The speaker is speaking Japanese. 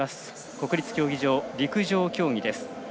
国立競技場陸上競技です。